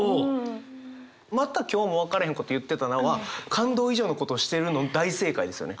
「また今日も分からへんこと言ってたな」は感動以上のことをしてるの大正解ですよね。